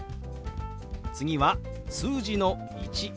次は数字の「１」。